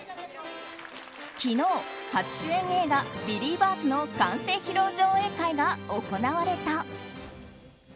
昨日、初主演映画「ビリーバーズ」完成披露上映会が行われた。